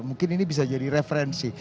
mungkin ini bisa jadi referensi